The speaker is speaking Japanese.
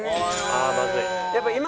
ああまずい。